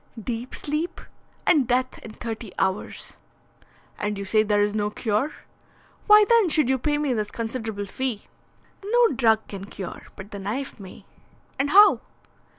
"Deep sleep, and death in thirty hours." "And you say there is no cure. Why then should you pay me this considerable fee?" "No drug can cure, but the knife may." "And how?"